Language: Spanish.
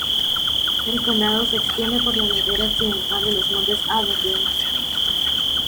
El condado se extiende por la ladera occidental de los montes Aberdare.